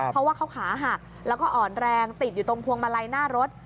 เพราะว่าเขาขาหักแล้วก็อ่อนแรงติดอยู่ตรงพวงมาลัยหน้ารถ